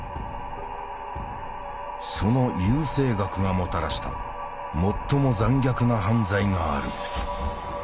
その優生学がもたらした最も残虐な犯罪がある。